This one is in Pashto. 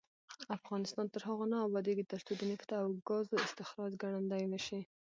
افغانستان تر هغو نه ابادیږي، ترڅو د نفتو او ګازو استخراج ګړندی نشي.